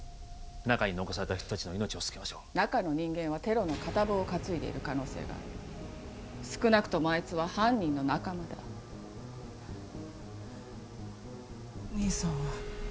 中に残された人達の命を救いましょう中の人間はテロの片棒を担いでいる可能性がある少なくともあいつは犯人の仲間だ兄さんは？